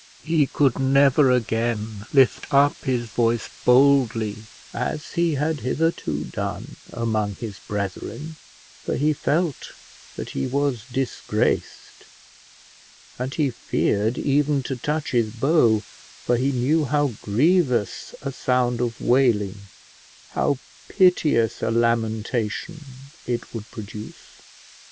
He could never again lift up his voice boldly as he had hitherto done among his brethren, for he felt that he was disgraced; and he feared even to touch his bow, for he knew how grievous a sound of wailing, how piteous a lamentation, it would produce.